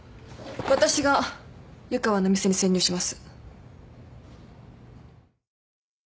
私が湯川の店に潜入します。